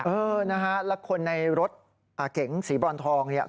เออนะฮะแล้วคนในรถเก๋งสีบรอนทองเนี่ย